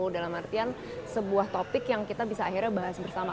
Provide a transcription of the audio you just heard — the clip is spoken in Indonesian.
dalam artian sebuah topik yang kita bisa akhirnya bahas bersama